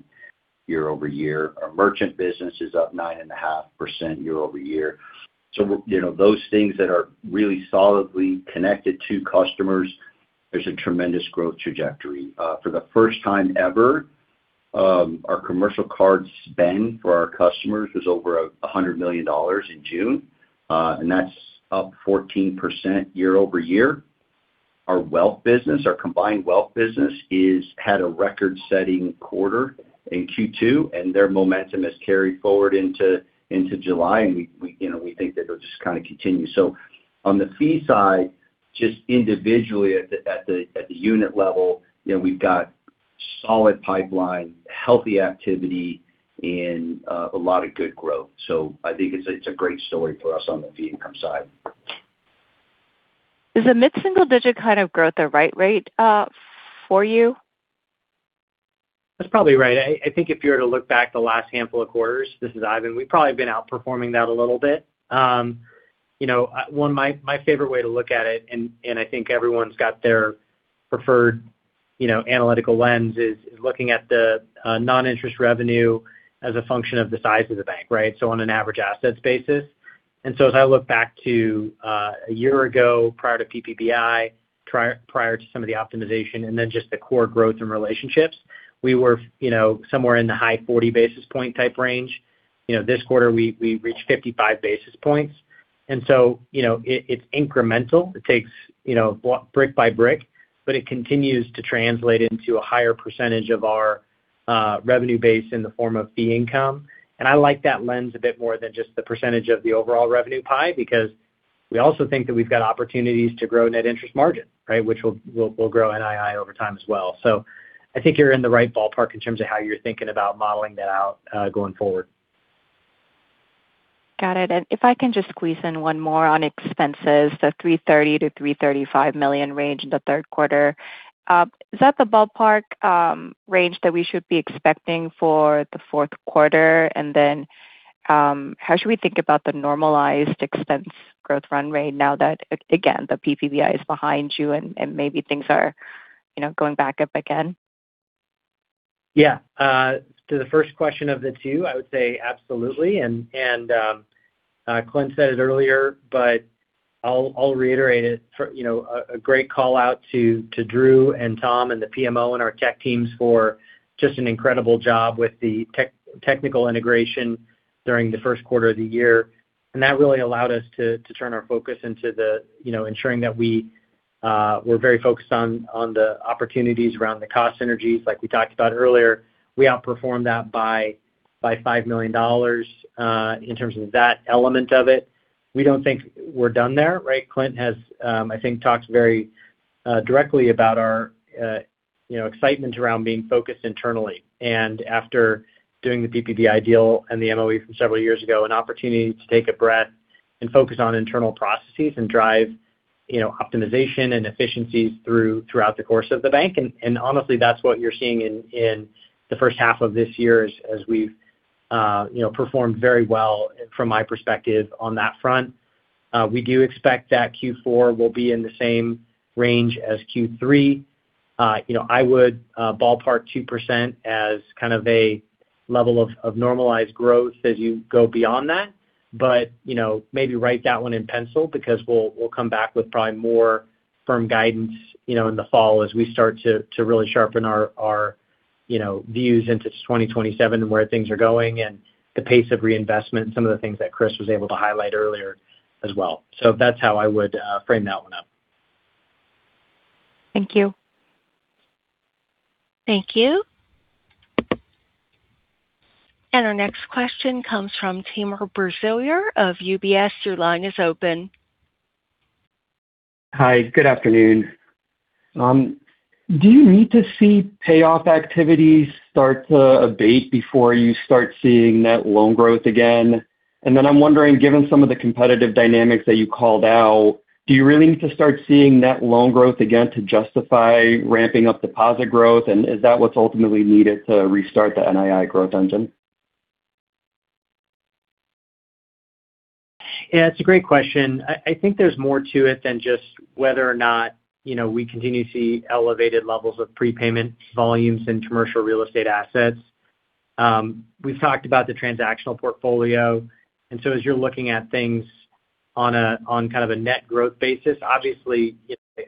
year-over-year. Our merchant business is up 9.5% year-over-year. Those things that are really solidly connected to customers, there's a tremendous growth trajectory. For the first time ever, our commercial card spend for our customers was over $100 million in June. That's up 14% year-over-year. Our combined wealth business had a record-setting quarter in Q2. Their momentum has carried forward into July, and we think that it'll just kind of continue. On the fee side, just individually at the unit level, we've got solid pipeline, healthy activity, and a lot of good growth. I think it's a great story for us on the fee income side. Is the mid-single-digit kind of growth the right rate for you? That's probably right. I think if you were to look back the last handful of quarters, this is Ivan, we've probably been outperforming that a little bit. My favorite way to look at it, I think everyone's got their preferred analytical lens, is looking at the non-interest revenue as a function of the size of the bank, right? On an average assets basis. As I look back to a year ago, prior to PPBI, prior to some of the optimization, and then just the core growth in relationships, we were somewhere in the high 40 basis point type range. This quarter we reached 55 basis points. It's incremental. It takes brick by brick, but it continues to translate into a higher percentage of our revenue base in the form of fee income. I like that lens a bit more than just the percentage of the overall revenue pie, because we also think that we've got opportunities to grow net interest margin, right? Which will grow NII over time as well. I think you're in the right ballpark in terms of how you're thinking about modeling that out going forward. Got it. If I can just squeeze in one more on expenses, the $330 million-$335 million range in the third quarter. Is that the ballpark range that we should be expecting for the fourth quarter? Then, how should we think about the normalized expense growth run rate now that, again, the PPBI is behind you and maybe things are going back up again? Yeah. To the first question of the two, I would say absolutely. Clint said it earlier, but I'll reiterate it. A great call out to Drew and Tom and the PMO and our tech teams for just an incredible job with the technical integration during the first quarter of the year. That really allowed us to turn our focus into ensuring that we're very focused on the opportunities around the cost synergies like we talked about earlier. We outperformed that by $5 million in terms of that element of it. We don't think we're done there, right? Clint has I think talked very directly about our excitement around being focused internally. After doing the PPBI deal and the MOE from several years ago, an opportunity to take a breath and focus on internal processes and drive optimization and efficiencies throughout the course of the bank. Honestly, that's what you're seeing in the first half of this year as we've performed very well from my perspective on that front. We do expect that Q4 will be in the same range as Q3. I would ballpark 2% as kind of a level of normalized growth as you go beyond that. Maybe write that one in pencil because we'll come back with probably more firm guidance in the fall as we start to really sharpen our views into 2027 and where things are going and the pace of reinvestment, some of the things that Chris was able to highlight earlier as well. That's how I would frame that one up. Thank you. Thank you. Our next question comes from Timur Braziler of UBS. Your line is open. Hi. Good afternoon. Do you need to see payoff activities start to abate before you start seeing net loan growth again? I'm wondering, given some of the competitive dynamics that you called out, do you really need to start seeing net loan growth again to justify ramping up deposit growth? Is that what's ultimately needed to restart the NII growth engine? It's a great question. I think there's more to it than just whether or not we continue to see elevated levels of prepayment volumes in commercial real estate assets. We've talked about the transactional portfolio, as you're looking at things on kind of a net growth basis, obviously,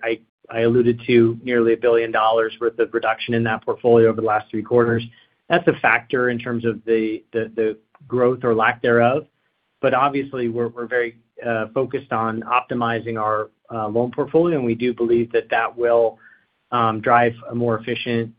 I alluded to nearly $1 billion worth of reduction in that portfolio over the last three quarters. That's a factor in terms of the growth or lack thereof. Obviously, we're very focused on optimizing our loan portfolio, and we do believe that that will drive a more efficient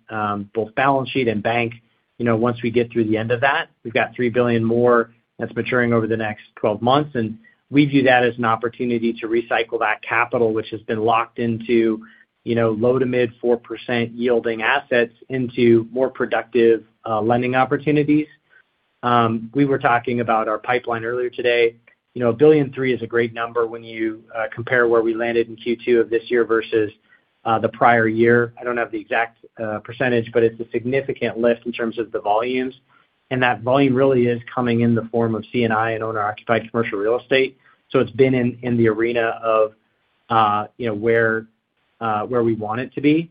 both balance sheet and bank. Once we get through the end of that, we've got $3 billion more that's maturing over the next 12 months, and we view that as an opportunity to recycle that capital, which has been locked into low to mid 4% yielding assets into more productive lending opportunities. We were talking about our pipeline earlier today. $1.3 billion is a great number when you compare where we landed in Q2 of this year versus the prior year. I don't have the exact percentage, but it's a significant lift in terms of the volumes. That volume really is coming in the form of C&I and owner-occupied commercial real estate. It's been in the arena of where we want it to be.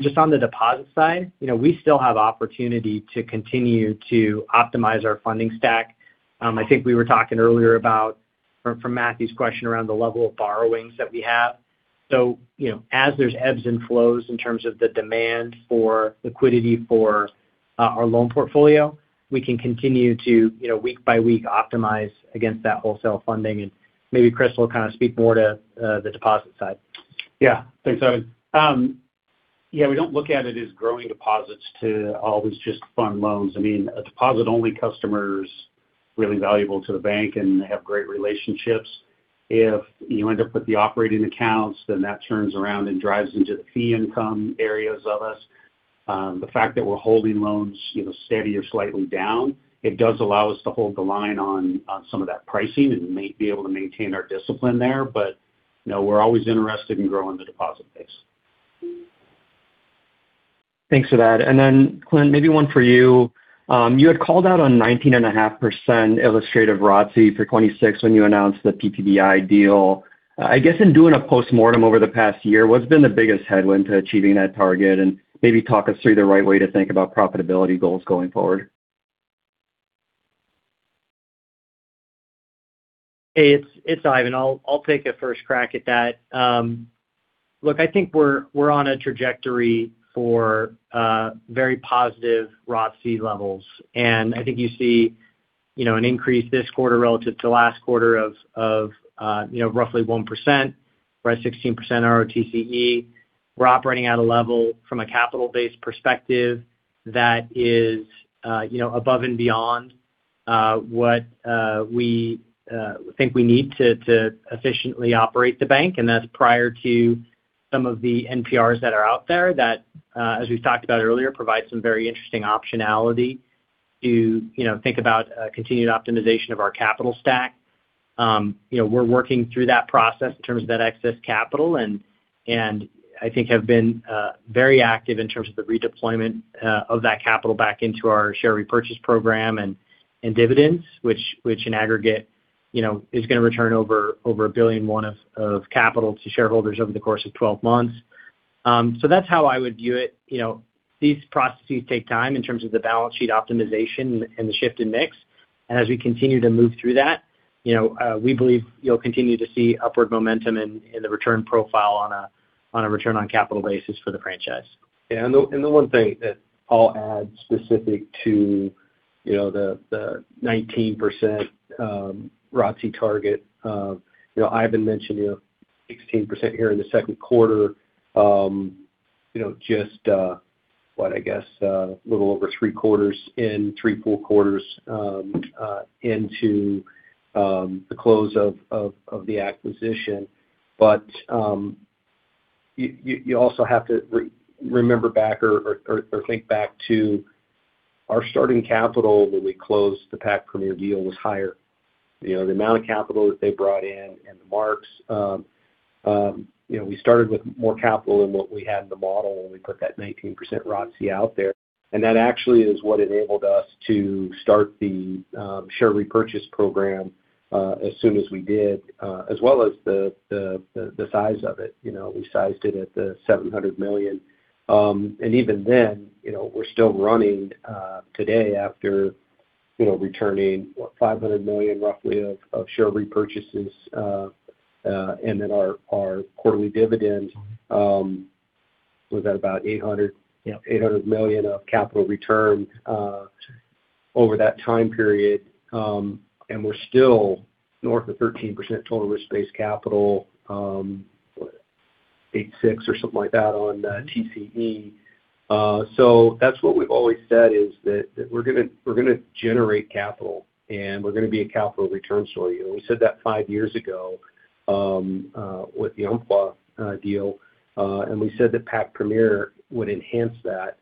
Just on the deposit side, we still have opportunity to continue to optimize our funding stack. I think we were talking earlier about, from Matthew's question around the level of borrowings that we have. As there's ebbs and flows in terms of the demand for liquidity for our loan portfolio, we can continue to week by week optimize against that wholesale funding. Maybe Chris will kind of speak more to the deposit side. Thanks, Ivan. We don't look at it as growing deposits to always just fund loans. I mean, a deposit-only customer's really valuable to the bank, and they have great relationships. If you end up with the operating accounts, that turns around and drives into the fee income areas of us. The fact that we're holding loans steady or slightly down, it does allow us to hold the line on some of that pricing and may be able to maintain our discipline there. We're always interested in growing the deposit base. Thanks for that. Clint, maybe one for you. You had called out on 19.5% illustrative ROTCE for 2026 when you announced the PPBI deal. I guess in doing a postmortem over the past year, what's been the biggest headwind to achieving that target? Maybe talk us through the right way to think about profitability goals going forward. Hey, it's Ivan. I'll take a first crack at that. Look, I think we're on a trajectory for very positive ROTCE levels. I think you see an increase this quarter relative to last quarter of roughly 1%. We're at 16% ROTCE. We're operating at a level from a capital base perspective that is above and beyond what we think we need to efficiently operate the bank. That's prior to some of the NPRs that are out there that, as we've talked about earlier, provide some very interesting optionality to think about continued optimization of our capital stack. We're working through that process in terms of that excess capital. I think have been very active in terms of the redeployment of that capital back into our share repurchase program and dividends, which in aggregate is going to return over $1 billion, one of capital to shareholders over the course of 12 months. That's how I would view it. These processes take time in terms of the balance sheet optimization and the shift in mix. As we continue to move through that, we believe you'll continue to see upward momentum in the return profile on a return on capital basis for the franchise. Yeah. The one thing that I'll add specific to the 19% ROTCE target. Ivan mentioned 16% here in the second quarter, just, what I guess a little over three quarters in three full quarters into the close of the acquisition. You also have to remember back or think back to our starting capital when we closed the Pac Premier deal was higher. The amount of capital that they brought in and the marks. We started with more capital than what we had in the model when we put that 19% ROTCE out there. That actually is what enabled us to start the share repurchase program as soon as we did as well as the size of it. We sized it at the $700 million. Even then, we're still running today after returning $500 million roughly of share repurchases. Our quarterly dividend was at about $800 million of capital return over that time period. We're still north of 13% total risk-based capital, 8.6 or something like that on TCE. That's what we've always said is that we're going to generate capital and we're going to be a capital return story. We said that five years ago with the Umpqua deal. We said that Pac Premier would enhance that.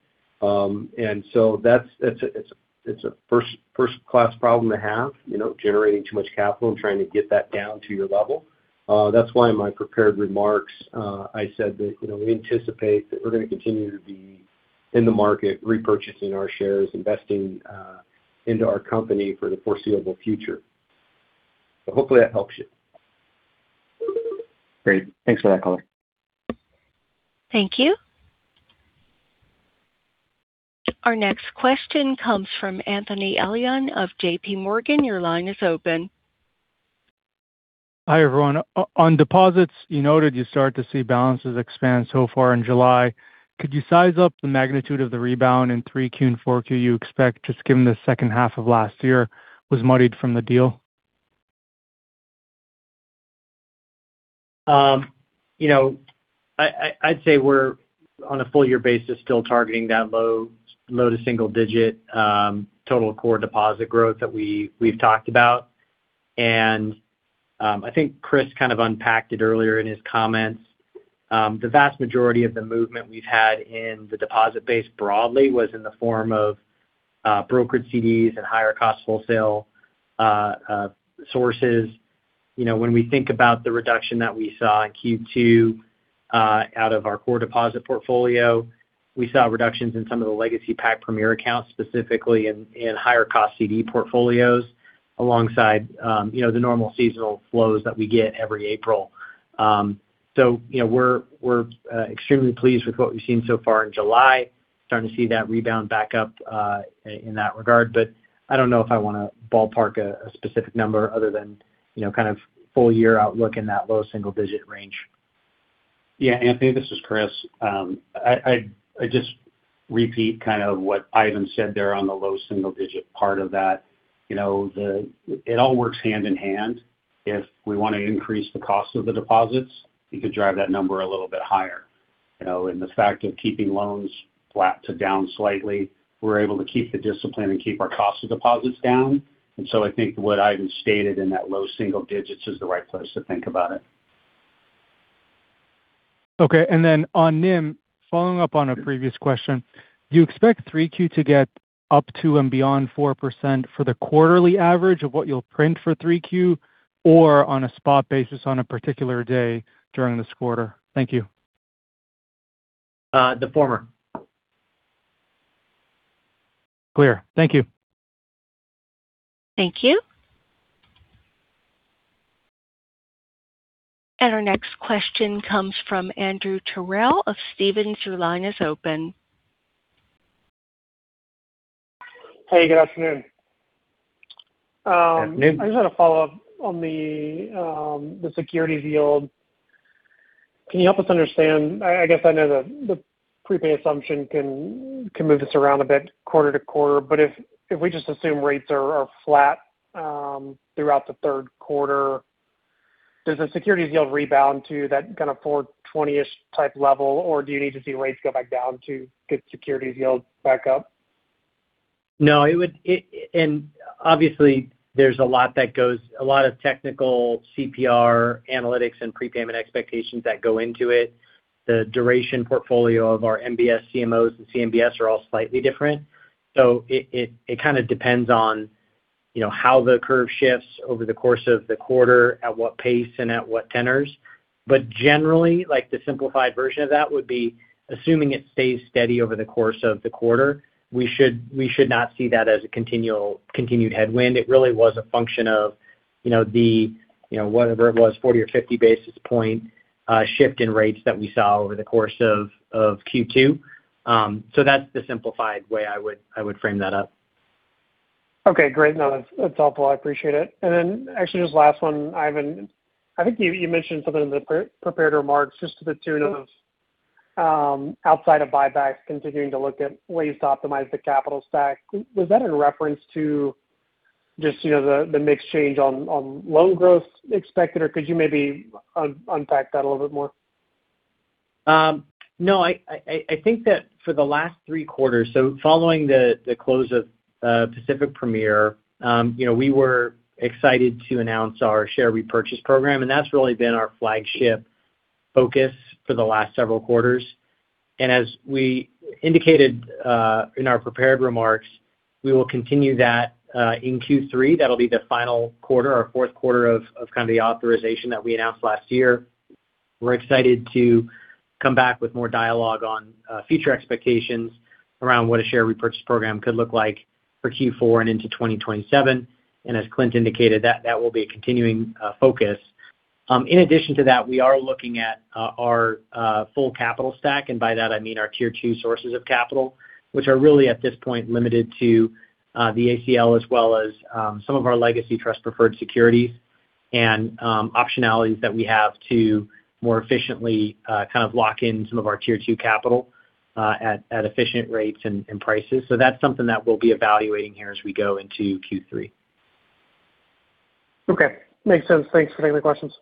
It's a first-class problem to have, generating too much capital and trying to get that down to your level. That's why in my prepared remarks I said that we anticipate that we're going to continue to be in the market, repurchasing our shares, investing into our company for the foreseeable future. Hopefully that helps you. Great. Thanks for that color. Thank you. Our next question comes from Anthony Elian of JPMorgan. Your line is open. Hi, everyone. On deposits, you noted you started to see balances expand so far in July. Could you size up the magnitude of the rebound in 3Q and 4Q you expect, just given the second half of last year was muddied from the deal? I'd say we're on a full year basis, still targeting that low to single-digit total core deposit growth that we've talked about. I think Chris kind of unpacked it earlier in his comments. The vast majority of the movement we've had in the deposit base broadly was in the form of brokered CDs and higher cost wholesale sources. When we think about the reduction that we saw in Q2 out of our core deposit portfolio, we saw reductions in some of the legacy Pac Premier accounts, specifically in higher cost CD portfolios alongside the normal seasonal flows that we get every April. We're extremely pleased with what we've seen so far in July. Starting to see that rebound back up in that regard. I don't know if I want to ballpark a specific number other than kind of full year outlook in that low-single-digit range. Yeah, Anthony, this is Chris. I just repeat kind of what Ivan said there on the low-single-digit part of that. It all works hand in hand. If we want to increase the cost of the deposits, you could drive that number a little bit higher. The fact of keeping loans flat to down slightly, we're able to keep the discipline and keep our cost of deposits down. I think what Ivan stated in that low-single digits is the right place to think about it. Okay. On NIM, following up on a previous question. Do you expect 3Q to get up to and beyond 4% for the quarterly average of what you'll print for 3Q or on a spot basis on a particular day during this quarter? Thank you. The former. Clear. Thank you. Thank you. Our next question comes from Andrew Terrell of Stephens. Your line is open. Hey, good afternoon. Afternoon. I just had a follow-up on the securities yield. Can you help us understand, I guess I know that the prepaid assumption can move this around a bit quarter-to-quarter, but if we just assume rates are flat throughout the third quarter, does the securities yield rebound to that kind of 420-ish type level or do you need to see rates go back down to get securities yield back up? No. Obviously there's a lot of technical CPR analytics and prepayment expectations that go into it. The duration portfolio of our MBS CMOs and CMBS are all slightly different. It kind of depends on how the curve shifts over the course of the quarter, at what pace and at what tenors. Generally, the simplified version of that would be assuming it stays steady over the course of the quarter, we should not see that as a continued headwind. It really was a function of whatever it was, 40 or 50 basis point shift in rates that we saw over the course of Q2. That's the simplified way I would frame that up. Okay, great. No, that's helpful. I appreciate it. Actually, just last one, Ivan. I think you mentioned something in the prepared remarks just to the tune of outside of buybacks, continuing to look at ways to optimize the capital stack. Was that in reference to just the mix change on loan growth expected? Or could you maybe unpack that a little bit more? I think that for the last three quarters, following the close of Pacific Premier, we were excited to announce our share repurchase program, and that's really been our flagship focus for the last several quarters. As we indicated in our prepared remarks, we will continue that in Q3. That will be the final quarter, our fourth quarter of kind of the authorization that we announced last year. We are excited to come back with more dialogue on future expectations around what a share repurchase program could look like for Q4 and into 2027. As Clint indicated, that will be a continuing focus. In addition to that, we are looking at our full capital stack, and by that I mean our tier two sources of capital, which are really, at this point, limited to the ACL as well as some of our legacy trust preferred securities and optionalities that we have to more efficiently kind of lock in some of our tier two capital at efficient rates and prices. That's something that we will be evaluating here as we go into Q3. Makes sense. Thanks. No further questions.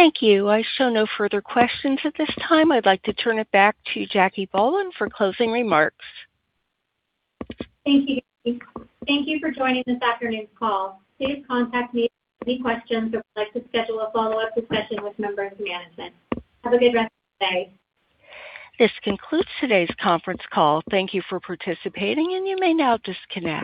Great. Thank you. I show no further questions at this time. I would like to turn it back to Jackie Boland for closing remarks. Thank you. Thank you for joining this afternoon's call. Please contact me with any questions or if you'd like to schedule a follow-up discussion with members of management. Have a good rest of your day. This concludes today's conference call. Thank you for participating, and you may now disconnect.